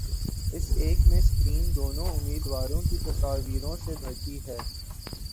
اس ایک میں سکرین دونوں امیدواروں کی تصویروں سے بھرتی ہے